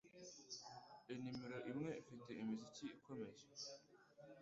inimero imwe ifite imizi ikomeye